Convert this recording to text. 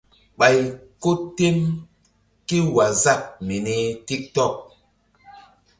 Ɓay ko tem ké waazap mini tik tok.